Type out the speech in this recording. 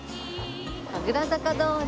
神楽坂通り！